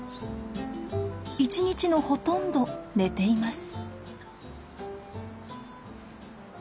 一日のほとんど寝ています。